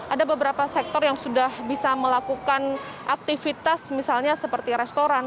ada beberapa sektor yang sudah bisa melakukan aktivitas misalnya seperti restoran